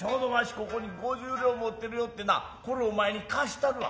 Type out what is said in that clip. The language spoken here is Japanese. ここに五十両持ってるよってなこれお前に貸したるわ。